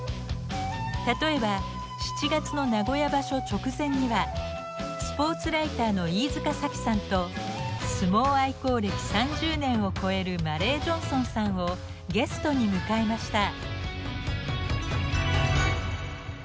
例えば７月の名古屋場所直前にはスポーツライターの飯塚さきさんと相撲愛好歴３０年を超えるマレー・ジョンソンさんをゲストに迎えました。